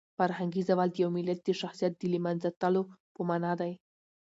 فرهنګي زوال د یو ملت د شخصیت د لمنځه تلو په مانا دی.